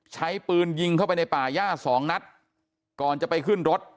ใช้ปืนยิงเข้าไปในป่าย่าสองนัดก่อนจะไปขึ้นรถ